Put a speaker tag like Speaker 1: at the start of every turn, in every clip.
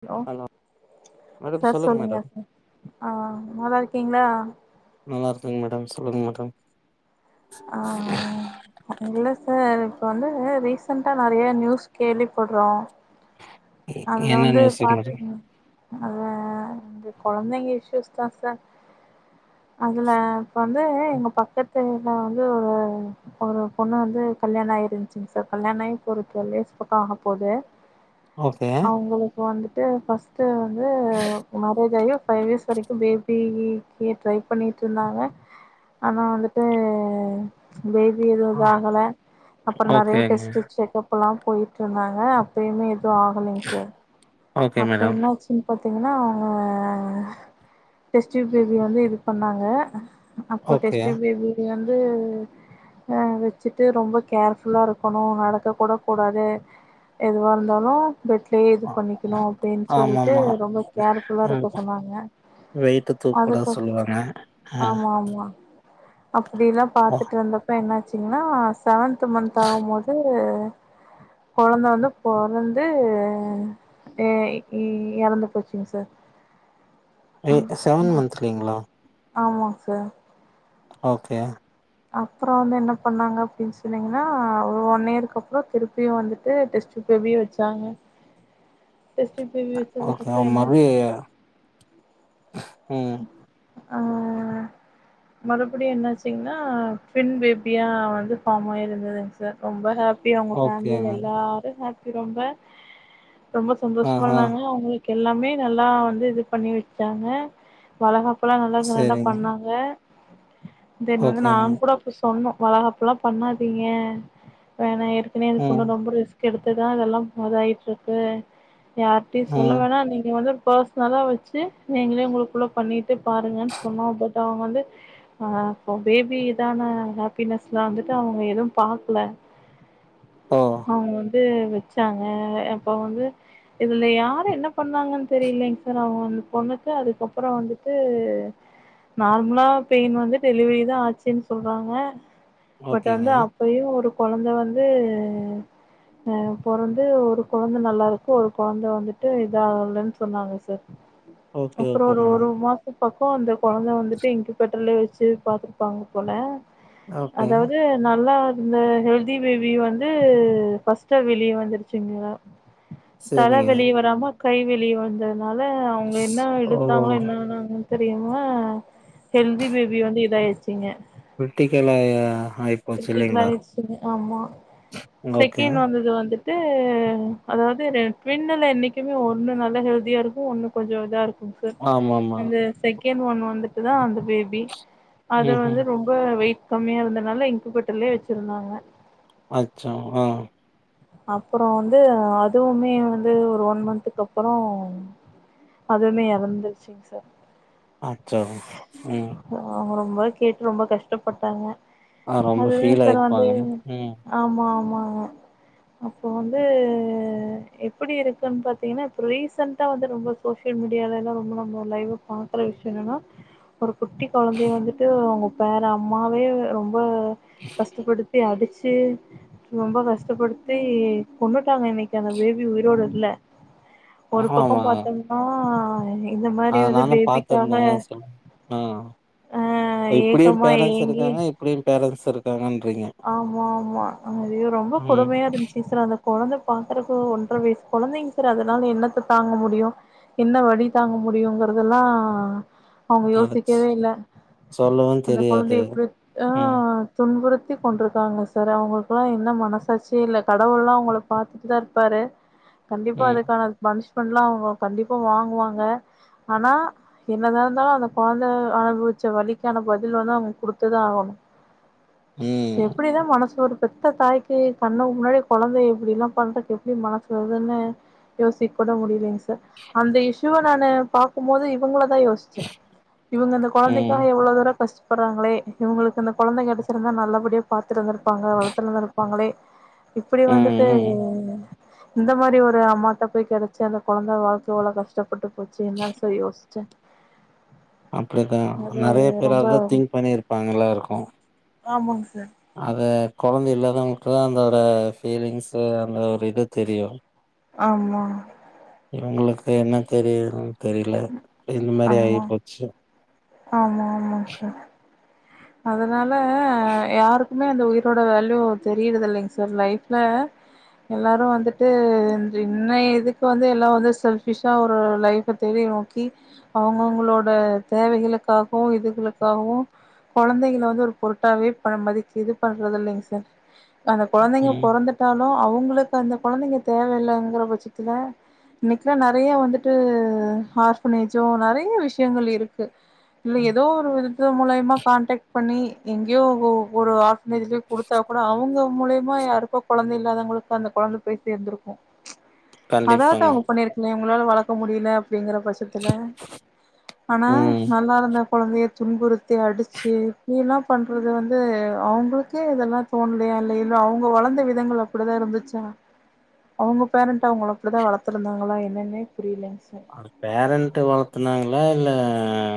Speaker 1: Hello
Speaker 2: madam
Speaker 1: sir சொல்லுங்க
Speaker 2: madam
Speaker 1: sir ஆ நல்லா இருக்கீங்ளா
Speaker 2: நல்லா இருக்கேங் மேடம் சொல்லுங்க மேடம்
Speaker 1: ஆ ஆ இல்ல சார் இப்ப வந்து ரீசன்டா நெறையா நியூஸ் கேள்விப்பட்றோ அதுல
Speaker 2: என்ன
Speaker 1: வந்து
Speaker 2: நியூஸுங்க மேடம்
Speaker 1: பாத்தீங்க அதுவு வந்து கொழந்தைங்க இஸ்யூஸ் தா சார் அதுல இப்ப வந்து எங்க பக்கத்துல வந்து ஒரு ஒரு பொண்ணு வந்து கல்யாணோ ஆகிருந்துச்சுங்க சார் கல்யாண ஆகி இப்ப ஒரு டுவல் டேஸ் பக்கோ ஆகப்போது
Speaker 2: ஓகே
Speaker 1: அவுங்களுக் க்கு வந்துட்டு ஃபர்ஸ்ட்டு வந்து மேரேஜ் ஆகி ஃபைவ் இயர்ஸ் வரைக்கும் பேபி யு ட்ரை பண்ணிட்ருந்தாங்க ஆனா வந்துட்டு பேபி எதுவு இது ஆகல அப்பறோ நெறைய
Speaker 2: ஓகேங்க
Speaker 1: டெஸ்ட்டு செக்கப் பல்லா போயிட்ருந்தாங்க அப்பையுமே எதுவு ஆகலைங் சார்
Speaker 2: ஓகே
Speaker 1: அப்றோ
Speaker 2: மேடம்
Speaker 1: என்னாச்சு சுன் பாத்தீங்கன்னா அவுங்க டெஸ்ட் டியூப் பேபி வந்து இது பண்ணாங்க அப்ப
Speaker 2: ஓகே
Speaker 1: டெஸ்ட் டியூப் பேபி வந்து அ வச்சுட்டு ரொம்ப கேர் ஃபுல்லா இருக்கணு நடக்கக் கூட கூடாது எதுவா இருந்தாலு பெட்லயே இது பண்ணிக் கணு அப்டின் சொல்லிட்டு
Speaker 2: ஆமாமா
Speaker 1: ரொம்ப கேர் ஃபுல்லா
Speaker 2: ம்
Speaker 1: இருக்க சொன்னாங்க
Speaker 2: வெயிட்டு தூக்க கூடாது
Speaker 1: அதுக்கு
Speaker 2: சொல்லுவாங்க ஆ
Speaker 1: அப்டில்லா
Speaker 2: ஓ
Speaker 1: பாத்துட் இருந்தப்ப என்னாச்சிங்கன்னா செவன்த் மன்த் ஆகும் போது கொழந்த வந்து பொறந்து ஏ எறந்து போச்சுங்க சார்
Speaker 2: எ செவன்த் மந்த்லிங்களா
Speaker 1: ஆமாங்க சார்
Speaker 2: ஓகே
Speaker 1: அப்பறோ வந்து என்ன பண்ணாங்க அப்டின்னு சொன்னீங்கன்னா வன் இயருக்கு அப்றோ த்ருப்பியு வந்துட்டு டெஸ்ட் இப்பெவ்வியு வெச்சாங்க டெஸ்டியூப் பேபி
Speaker 2: ஓகே
Speaker 1: வெச்சதுக்கப்பறோ என்ன
Speaker 2: மறுபடி
Speaker 1: ஆச்சுன்னா
Speaker 2: ம்
Speaker 1: ஆ மறுபடியு என்னாச்சிங்கனா ட்வென் பேபியா வந்து ஃபாமாய் இருந்துதுங்க் சார் ரொம்ப ஹாப்பியா அவ்ங்க ஃபேமிலில
Speaker 2: ஓகேங்க
Speaker 1: எல்லாரு ஹாப்பி ரொம்ப ரொம்ப
Speaker 2: ஆ
Speaker 1: சந்தோஷமா
Speaker 2: ஆ
Speaker 1: இருந்தாங்க அவ்ங்களுக்கு எல்லாமே நல்லா வந்து இது பண்ணி வெச்சாங்க வளகாப்பெல்லா நல்லா க்ராண்டா
Speaker 2: சரிங்க
Speaker 1: பண்ணாங்க தென் வந்து
Speaker 2: ஓகேங்க
Speaker 1: நாங் கூட போய் சொன்னோ வளகாப்பெல்லா பண்ணாதீங்க வேணா எ சன்னயா இது
Speaker 2: ம்
Speaker 1: பொண்ணு ரொம்ப ரிஸ்க் எடுத்துதா இதெல்லா பதாயிட்டு இருக்கு யார்ட்டயயு சொல்ல
Speaker 2: ம்
Speaker 1: வேணா நீங்க வந்து பேர்சனலா வெச்சு நீங்களே உங்குளு இவ்ளோ பண்ணிட்டு பாருங்கன்னு சொன்னோ அப்ப அவ்ங்க வந்து ஆ இப்ப பேபி இதான ஹாப்பினஸ் லா வந்துட்டு அவ்ங்க எது பாக்ல [inaudible]
Speaker 2: ஓ
Speaker 1: அவ்ங்க வந்து வெச்சாங்க அப்போ வந்து இதுல யாரு என்ன பண்ணாங்கன் தெரியில்லெங்க சார் அவ்ங்க வந் பொண்ணுக்கு அதுக்கப் பறோ வந்துட்டு நார்மலா பெய்ன் வந்து டெலிவரி தா ஆச்சுன்னு சொல்றாங்க பட் வந்து
Speaker 2: ஓகேங்க
Speaker 1: அ அப்பயு ஒரு கொழந்த வந்து அ பொறந்து ஒரு கொழந்த நல்லா இருக்கு ஒரு கொழந்த வந்துட்டு இது ஆகலன்னு சொன்னாங்க சார்
Speaker 2: ஓகே
Speaker 1: அப்பறோ
Speaker 2: ஓகே
Speaker 1: ஒரு ஒரு
Speaker 2: மேடம்
Speaker 1: மாசோ பக்கோ அந்த கொழந்த வந்துட்டு இன்குபெட்டர்லயே வெச்சு பாத்துருப்பாங்க போல
Speaker 2: ஓகே
Speaker 1: அதாவ்து நல்லா இருந்த ஹெல்த்தி பேபி வந்து ஃபஸ்ட்டா வெளிய வந்துருச்சுங்கே தல
Speaker 2: சரிங்க
Speaker 1: வெளிய வராம கை வெளிய வந்ததுனால அவங்க என்ன இது
Speaker 2: ஓ
Speaker 1: பண்ணனுங் தெரியுமா ஹெல்த்தி பேபி வந்து இதாயிர்ச்சிங்க
Speaker 2: க்ரிட்டிக்கலா அ ஆய்
Speaker 1: க்ரிட்டிக்கல் ஆயிடுச்சுங்க ஆமா
Speaker 2: ஓகே
Speaker 1: செகெண் வந்தது வந்துட்டு அ அதாவது ரெ ட்வின்னுல என்னெக்குமே ஒன்னு நல்ல ஹெல்த்தியா இருக்கு ஒன்னு கொஞ்சொ இதா இருக்குங் க
Speaker 2: ஆமாமா
Speaker 1: அந்த செகெண்ட் வன் வந்துட்டு தா அந்த பேபி அத
Speaker 2: ம்ஹும்
Speaker 1: வந்து ரொம் ரொம்ப வெய்ட் கம்மியா இருந்தனால இன்குபெட்டர்லயே வெச்சிருந்தாங்க
Speaker 2: அச்சா ஆ
Speaker 1: அப்பறோ வந்து அதுவுமே வந்து ஒரு வன் மந்த்க்கு அப்பறோ அதுவுமே எறந்துருச்சிங் சார்
Speaker 2: அச்சா ம்
Speaker 1: அவ்ங்க ரொம்பொவே கேட்டு ரொம்ப கஷ்டப்பட்டாங்க
Speaker 2: ஆ ரொம்ப
Speaker 1: அதுதாங்
Speaker 2: ஃபீல்
Speaker 1: சார் வந்து
Speaker 2: ஆயிருப்பாங்க ம்
Speaker 1: ஆமா ஆமாங்க அப்போ வந்து எப்பிடி இருக்குன்னு பாத்தீங்கன்னா இப்ப ரீசன்ட்டா வந்து ரொம்ப சோசியல் மீடியால எல்லா ரொம்ப நம்ம லைவா பாக்கற விஷ்யொ என்னன்னா ஒரு குட்டி கொழந்தய வந்துட்டு அவ்ங்க பேற அம்மாவே வ ரொம்ப ரொம்ப கஷ்டப்படுத்தி அடுச்சு ரொம்ப கஷ்டப்படுத்தி கொன்னுடாங்க இன்னெக்கி அந்த பேபி உயிரோட இல்ல ஒரு பக்கொம்
Speaker 2: ஆமாமா
Speaker 1: பாத்தோம்னா இந்த மாரி
Speaker 2: அத
Speaker 1: வந்து
Speaker 2: நானு
Speaker 1: பேபிக்காக
Speaker 2: பாத்திருந்தே சொல் ஆ
Speaker 1: அ ஏக்கம்மா ஏங்கி
Speaker 2: அப்டியு பேரன்ட்ஸ் இருக்காங்கன்றீங்க
Speaker 1: ஆமா ஆமா அது ரொம்ப
Speaker 2: ம்
Speaker 1: கொடுமையா இருந்துச்சு விஸ்வநாதன் கொழந்த பாக்குறப்போ ஒன்றரை வயசு கொழந்தைங்க சார் அதனால என்னத்த தாங்க முடியு என்ன வலி தாங்க முடியுங்கறதெல்லா அவங்க
Speaker 2: அது
Speaker 1: யோசிக்கவே இல்ல
Speaker 2: சொல்லவு
Speaker 1: அந்த
Speaker 2: தெரியாது
Speaker 1: கொழந்தைய எப்டி அ
Speaker 2: ம்
Speaker 1: துன்புறு சுற்றி கொண்டிருக்காங்க சார் அவங்களுக்கு எல்லா என்ன மனசாட்சி இல்ல கடவுள் எல்லா அவங்கள பாத்துட்டு தா இருப்பாரு கண்டிப்பா
Speaker 2: ம்
Speaker 1: அதுக்கான பனிஷ்மெண்ட் எல்லா அவங்க கண்டிப்பா வாங்குவாங்க ஆனா என்னதா இருந்தாலு அந்த கொழந்தை அனுபவிச்ச வலிக்கான பதில் வந்து அவங்க குடுத்ததா ஆகணு
Speaker 2: ம்
Speaker 1: எப்படிதா மனசு வரு பெத்த தாய்க்கு கண்ணுக்கு முன்னாடி கொழந்தை இப்டி எல்லா பண்றதுக்கு எப்டி மனசு வருதுன்னு யோசிக்க கூட முடியலங்க சார் அந்த இசுவ நா பாக்கும் போது இவங்கள யோசிச்சே இவங்க இந்த
Speaker 2: ம்
Speaker 1: கொழந்தைக்காக எவ்வளவு தூர கஷ்டப்படுறாங்களே இவங்களுக்கு இந்த கொழந்தை கெடச் இருந்தா நல்லபடியா பாத்துட்டுந்துருப்பாங்க வளர்த்துட்டு இருந்தருப்பாங்களே இப்டி
Speaker 2: ம்
Speaker 1: வந்துட்டு
Speaker 2: ம்
Speaker 1: இந்த மாரி ஒரு அம்மாட்ட போய் கெடைச்சி அந்த குழந்தை வாழ்க்க எவ்வளவு கஷ்டப்பட்டு போச்சு என்ன சார் யோசிச்சே
Speaker 2: அப்டிதா
Speaker 1: அது
Speaker 2: நெறைய பேரா
Speaker 1: ரொம்ப
Speaker 2: இருந்தா திங்க் பண்ணிருப்பாங்க எல்லா இருக்கு
Speaker 1: ஆமாங்க சார்
Speaker 2: அது கொழந்தை இல்லாதவங்களுக்குதா அந்தோட ஃபீலிங்ஸ அந்த ஒரு இது தெரியு
Speaker 1: ஆமா
Speaker 2: இவங்களுக்கு என்ன தெரியதுன்னு தெரியல இந்த மாரி ஆகி
Speaker 1: ஆமா
Speaker 2: போச்சு
Speaker 1: ஆமா ஆமாங்க சார் அதனால யாருக்கு அந்த உயிரோட வேல்யூ தெரியுது இல்லைங்க சார் லைஃப்ல எல்லாரு வந்துட்டு இன்ன இதுக்கு வந்து எல்லா வந்து செல்பிஷா ஒரு ஒரு லைஃப் [unintelligible] நோக்கி அவங்க அவங்களோட தேவைகளுக்காகவு இதுகளுக்காகவு கொழந்தைகள வந்து ஒரு பொருட்டாவே ப மதிக்க இது பண்றது இல்லைங்க சார் அந்த கொழந்தைங்க
Speaker 2: ம்
Speaker 1: பொறந்துட்டாலு அவங்களுக்கு அந்த கொழந்தைங்க தேவ இல்லங்கிற பட்சத்துல இப்ப நெறைய வந்துட்டு ஹார்பனேஜும் நறைய விஷயங்கள் இருக்கு இல்ல ஏதோ ஒரு விதத்த மூலியமா கான்டக்ட் பண்ணி எங்கேயோ ஒரு ஆர்ப்னேஜலயே குடுத்தா கூட அவங்க மூலியமா யாருக்கோ கொழந்த இல்லாதவங்களுக்கு அந்த கொழந்த பேய் சேந்திரும் அதாவது
Speaker 2: கண்டிப்பாங்க
Speaker 1: அவங்க பண்ணிருக்குமே உங்களால வளக்க முடியல அப்டிங்கற பட்சத்துல ஆனா
Speaker 2: ம்
Speaker 1: நல்லா இருந்த கொழந்தையை துன்புறுத்தி அடிச்சு இப்டி எல்லா பண்றது வந்து அவங்களுக்கே இதெல்லா தோணலையா இல்லைய இல்ல அவங்க வளந்த விதங்கள் அப்படிதா இருந்துச்சா அவங்க பேரண்ட் அவங்கள அப்டி தா வளத்துருந்தாங்களா என்னன்னே புரியலங்க சார்
Speaker 2: பேரண்ட் வளத்துனாங்களா இல்ல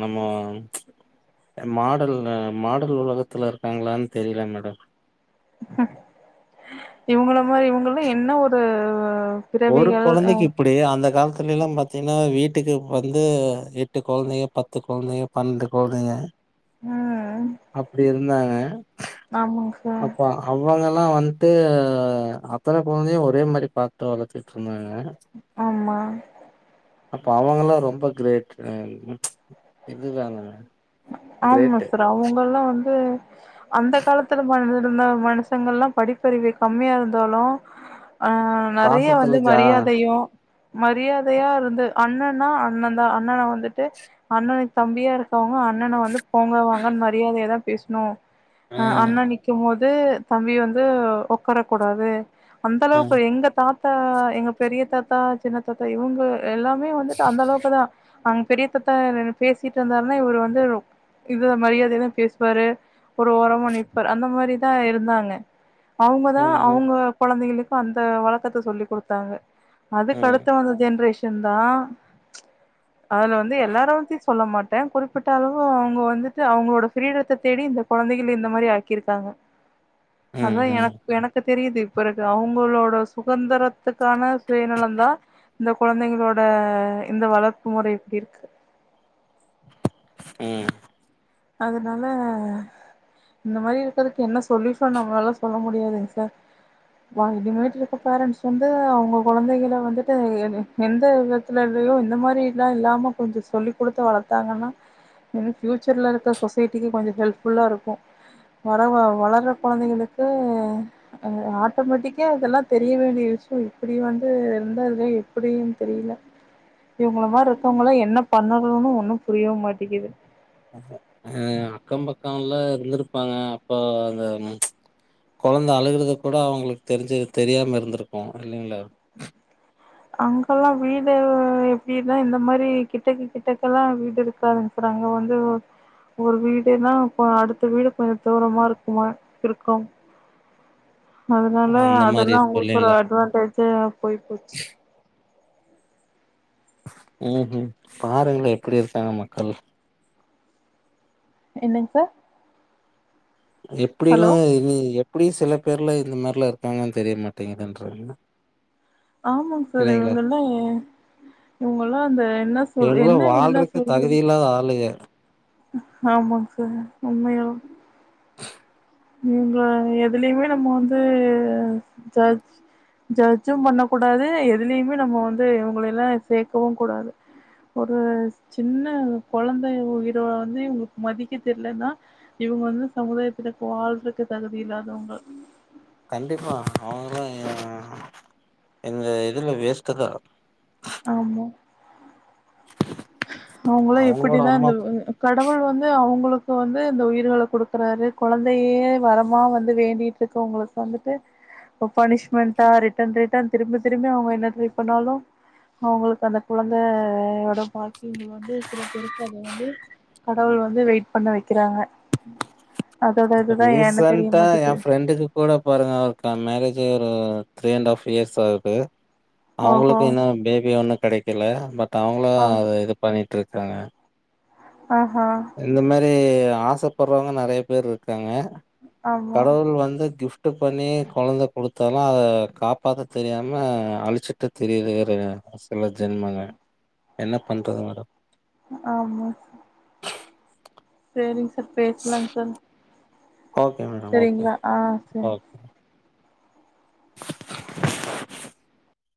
Speaker 2: நம்மோ மாடல் மாடல் உலகத்துல இருக்காங்களான்னு தெரியல மேடம்
Speaker 1: இவங்கள மாரி இவங்கலா என்ன ஒரு
Speaker 2: ஒரு
Speaker 1: பிறவிகள் அ
Speaker 2: குழந்தைக்கு இப்டி அப்படிய அந்த காலத்துல எல்லா பாத்தீங்கன்னா வீட்டுக்கு வந்து எட்டு கொழந்தையோ பத்து கொழந்தையோ [unintelligible]
Speaker 1: அ
Speaker 2: அப்டி இருந்தாங்க
Speaker 1: ஆமாங்க சார்
Speaker 2: அவுங்க எல்லா வந்ட்டு அத்தன கொழந்தையு ஒரே மாரி பாத்து வளர்த்துட்ருந்தாங்க
Speaker 1: ஆமா
Speaker 2: அப்ப அவங்க எல்லா ரொம்ப கிரேட் இதுதாங்க
Speaker 1: ஆமா
Speaker 2: கிரேட்டு
Speaker 1: சார் அவுங்கல்லா வந்து அந்த காலத்துல மாரி இருந்த மனுசங்கள்லா படிப்பறிவு கம்மியா இருந்தாலு ஆ நறைய
Speaker 2: பாசத்துல
Speaker 1: வந்து
Speaker 2: ஜா
Speaker 1: மரியாதையு மரியாதையா இருந்து அண்ணன்னா அண்ணன் தா அண்ணன வந்துட்டு அண்ணனுக்கு தம்பியா இருக்கோ அண்ணன வந்து போங்க வாங்க மரியாதையா தா பேசணு அ அண்ணன் நிக்கும் போது தம்பி வந்து ஒக்கரக்கூடாது அந்த
Speaker 2: அ
Speaker 1: அளவுக்கு எங்க தாத்தா எங்க பெரிய தாத்தா சின்ன தாத்தா இவுங்க எல்லாமே வந்துட்டு அந்த அளவுக்கு தா அங் பெரியதாத்தா பேசிட்டு இருந்தாருன்னா இவுரு வந்து இது மரியாதையா தா பேசுவாரு ஒரு ஒரமா நிப்பார் அந்த மாரிதா இருந்தாங்க அவுங்க
Speaker 2: ம்
Speaker 1: தா
Speaker 2: ம்
Speaker 1: அவுங்க கொழந்தைகளுக்கு அந்த வழக்கத்த சொல்லி் குடுத்தாங்க அதுக்கு
Speaker 2: ம்
Speaker 1: அடுத்த வந்த ஜென்ரேஷ் ஷன்தா அதுல வந்து எல்லாரு பத்தியு சொல்ல மாட் ட குறிப்பிட்ட அளவு அவுங்க வந்துட்டு அவுங்களோட ஃபிரீடத்த தேடி இந்த கொழந்தைகள் இந்த மாரி ஆக்கிருக்காங்க அதா
Speaker 2: ம் ம்
Speaker 1: எனக் எனக்கு தெரியுது பிறகு அவுங்களோட சுகந்திரத்துக்கான சுயநலந்தா இந்த கொழந்தைங்களோட இந்த வளர்ப்பு முறை இப்படி இருக்கு
Speaker 2: ம்
Speaker 1: அதனால இந்த மாரி இருக்கறதுக்கு என்ன சொல்யூஷன்னோ நம்மளால சொல்ல முடியாதுங்க சார் வா இனிமேட்டு இருக்க பேரண்ட்ஸ் வந்து அவுங்க கொழந்தைகள வந்துட்டு எ எந்த விதத்துல இல்லையோ இந்த மாரிலா இல்லாம கொஞ்ச சொல்லி் குடுத்து வளத்தாங்கன்னா இன்னு ஃபியூச்சர்ல இருக்கற சொசைட்டிக்கு கொஞ்சோ ஹெல்ப்ஃபுல்லா இருக்கு வர வ வளர்ற கொழந்தைகளுக்கு அ ஆட்டோமேட்டிக்கா இதெல்லா தெரிய வேண்டிய விஷயோ இப்படி வந்து இருந்தாது எப்படியுனு தெரியல இவுங்கள மாரி இருக்கவங்களா என்ன பண்ணணுன்னு ஒண்ணு புரியவு மாட்டேங்கிது
Speaker 2: அ அக்கம் பக்கம்லா இருந்திருப்பாங்க அப்ப அங்க கொழந்த அழுகறது கூட அவுங்களுக்கு தெரிஞ்சு தெரியாம இருந்திருக்கு இல்லைங்களா
Speaker 1: அங்கல்லா வீடு எப்படினா இந்த மாரி கிட்டக்க கிட்டக்கல்லா வீடு இருக்காதுங்க அப்புறோ அங்க வந்து ஒரு வீடுனா இப்ப அடுத்த வீடு கொஞ்சோ தூரமா இருக்குமா இருக்கு அதனால
Speaker 2: அந்த மாரி
Speaker 1: அதெல்லா
Speaker 2: இருக்கு
Speaker 1: உங்களுக்கு ஒரு
Speaker 2: இல்லைங்களா?
Speaker 1: அட்வான்டேஜ் போயி போச்சு
Speaker 2: ம்ஹும் பாருங்களே எப்படி இருக்காங்க மக்கள்
Speaker 1: என்னங்க சார்
Speaker 2: எப்படிலா
Speaker 1: ஹலோ
Speaker 2: இது எப்படி சில பேர்ல இந்த மார்ல இருக்காங்கன் தெரியமாட்டேங்கன்ற
Speaker 1: ஆமாங்க சார் இவங்கல்லே இவுங்களா அந்த என்ன சொல்
Speaker 2: இவங்கலாம்
Speaker 1: என்ன இதலா
Speaker 2: வாழ்றக்கு
Speaker 1: சொ
Speaker 2: தகுதி இல்லாத ஆளுக
Speaker 1: ஆமாங் சார் உண்மையலு இவுங்க எதுலயுமே நம்ம வந்து ஜட்ஜ் ஜட்ஜும் பண்ண கூடாது எதுலயுமே நம்ம வந்து இவுங்களை எல்லா சேக்கவு கூடாது ஒரு சின்ன கொழந்த உயிர வந்து இவுங்களுக்கு மதிக்க தெரிலன்னா இவுங்க வந்து சமுதாயத்துல வாழ்றதுக்கு தகுதி இல்லாதவுங்க
Speaker 2: கண்டிப்பா அவங்கதா எ இந்த இதுல வேஸ்ட்டா தாருக்கு
Speaker 1: ஆமா அவங்களு
Speaker 2: அவங்களோட
Speaker 1: எப்படிதா
Speaker 2: அம்மா
Speaker 1: இந்தவ கடவுள் வந்து அவங்களுக்கு வந்து இந்த உயிர்கள கொடுக்குறாரு கொழந்தையே வரமா வந்து வேண்டிட்டு இருங்குறவங்களுக்கு வந்துட்டு இப்ப பனிஷ்மெண்ட்டா ரிட்டன் ரிட்டன் திரும்பி திரும்பி அவங்க என்ன ட்ரை பண்ணாலு அவங்களுக்கு அந்த குழந்தையோட பாக் வங்க வந்து சில பேருக்கு அது வந்து கடவுள் வந்து வெயிட் பண்ண வைக்கிறாங்க அதோட இதுதா ஏன்னு தெரிய
Speaker 2: ரீசன்டா என்
Speaker 1: மாட்டேக்குது
Speaker 2: ஃரெண்டுக்கு கூட பாருங்க அவருக்கு மேரேஜ் ஆயி ஒரு த்ரீ அண்ட் ஹாஃப் இயர்ஸ் ஆகுது
Speaker 1: ஓஹோ
Speaker 2: அவங்களுக்கு இன்னு பேபி ஒண்ணு கிடைக்கல பட் அவங்களு
Speaker 1: ஓ
Speaker 2: அது இது பண்ணிட்டு இருக்காங்க
Speaker 1: ஆ ஹா
Speaker 2: இந்த மாதிரி ஆசைப்படுறவங்க நறைய பேர் இருக்காங்க
Speaker 1: ஆமா
Speaker 2: கடவுள் வந்து கிஃப்ட் ஃப்ட்டு பண்ணி கொழந்த குடுத்தாலு அத காப்பாத்த தெரியாம அழிச்சுட்டு திரியுர சில ஜென்மங்கள் என்ன பண்றது மேடம்
Speaker 1: ஆமா சேரிங்க சார் பேசலாங்க சார்
Speaker 2: ஓகே மேடம் ஓகே
Speaker 1: செரிங்களா ஆ சரி
Speaker 2: ஓ